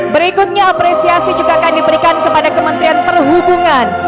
berikutnya apresiasi juga akan diberikan kepada kementerian perhubungan